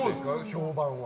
評判は。